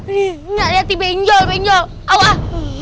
nggak liat benjol benjol awah